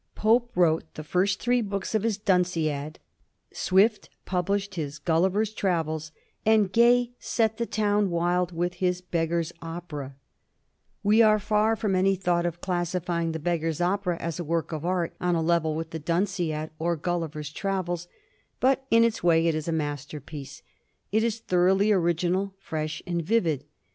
Pope wrote the first three books of his * Dunciad,' Swift published his * Gulli ver's Travels,' and Gay set the town wild with his * Beggar's Opera.' We are far from any thought of Digiti zed by Google 396 A HISTORY OF THE FOUR GEORGES. cs. xx. classifying the ' Beggar's Opera ' as a work of art on a level with the * Dunciad ' or ' Gulliver's Travels,' but in its way it is a masterpiece. It is thoroughly original, fresh, and vivid.